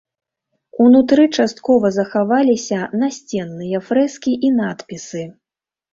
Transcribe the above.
Унутры часткова захаваліся насценныя фрэскі і надпісы.